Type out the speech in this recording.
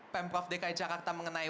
pemprov dki jakarta mengenai